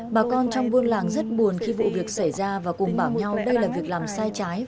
bà con trong buôn làng rất buồn khi vụ việc xảy ra và cùng bảo nhau đây là việc làm sai trái